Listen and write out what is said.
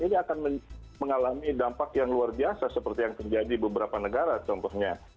ini akan mengalami dampak yang luar biasa seperti yang terjadi beberapa negara contohnya